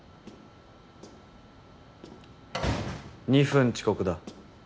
２分遅刻だ。